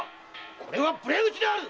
これは無礼討ちである！